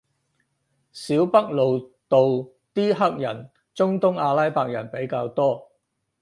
小北路度啲黑人中東阿拉伯人比較多